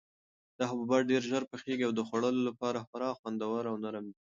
دا حبوبات ډېر ژر پخیږي او د خوړلو لپاره خورا خوندور او نرم دي.